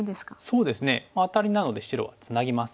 そうですねアタリなので白はツナぎます。